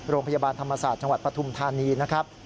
โรงพยาบาลธรรมศาสตร์จังหวัดปฐุมธานีนะครับ